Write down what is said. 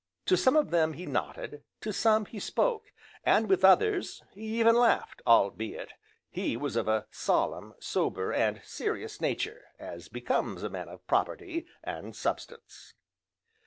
To some of them he nodded, to some he spoke, and with others he even laughed, albeit he was of a solemn, sober, and serious nature, as becomes a man of property, and substance.